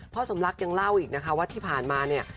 สมรักยังเล่าอีกนะคะว่าที่ผ่านมาเนี่ย